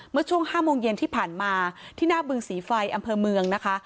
เมื่อช่วง๕โมงเย็นที่ผ่านมาที่หน้าบึงศรีไฟอำเภอเมืองนะคะ